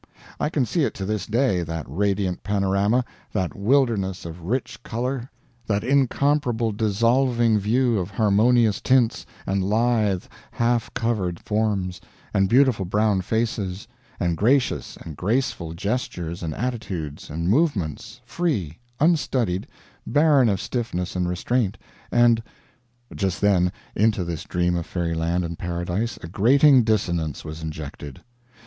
I can see it to this day, that radiant panorama, that wilderness of rich color, that incomparable dissolving view of harmonious tints, and lithe half covered forms, and beautiful brown faces, and gracious and graceful gestures and attitudes and movements, free, unstudied, barren of stiffness and restraint, and Just then, into this dream of fairyland and paradise a grating dissonance was injected.